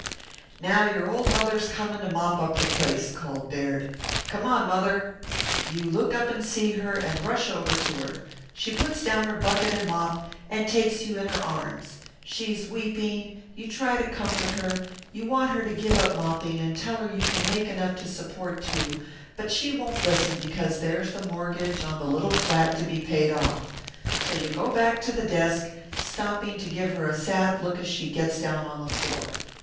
"Now your old mother's coming to mop up the place," called Baird. "Come on, Mother! You look up and see her, and rush over to her. She puts down her bucket and mop, and takes you in her arms. She's weeping; you try to comfort her; you want her to give up mopping, and tell her you can make enough to support two, but she won't listen because there's the mortgage on the little flat to be paid off. So you go back to the desk, stopping to give her a sad look as she gets down on the floor.